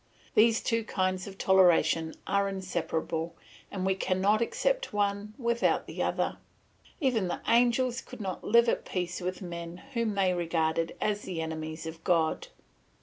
These two kinds of toleration are inseparable, and we cannot accept one without the other. Even the angels could not live at peace with men whom they regarded as the enemies of God.